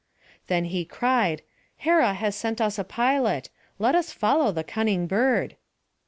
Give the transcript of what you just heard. Then he cried, "Hera has sent us a pilot; let us follow the cunning bird."